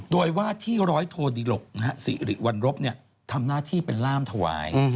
โดยว่าที่ร้อยโทดิหลกสิริวัณรบทำหน้าที่เป็นล่ามถวาย